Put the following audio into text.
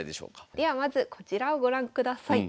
ではまずこちらをご覧ください。